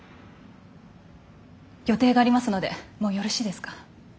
予定がありますのでもうよろしいですか？